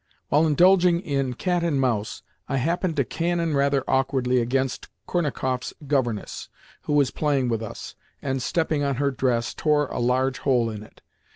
While indulging in "cat and mouse", I happened to cannon rather awkwardly against the Kornakoffs' governess, who was playing with us, and, stepping on her dress, tore a large hole in it.